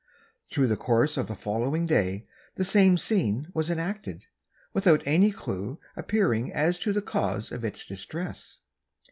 Through the course of the following day the same scene was enacted, without any clue appearing as to the cause of its distress.